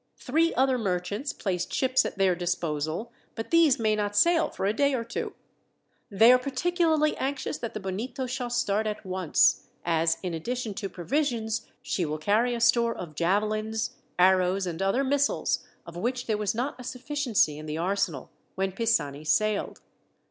Three other merchants placed ships at their disposal, but these may not sail for a day or two. They are particularly anxious that the Bonito shall start at once, as, in addition to provisions, she will carry a store of javelins, arrows, and other missiles of which there was not a sufficiency in the arsenal when Pisani sailed.